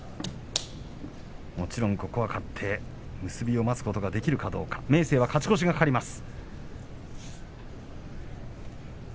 もちろんここに勝って結びを待つことができるかどうか明生、勝ち越しが懸かります。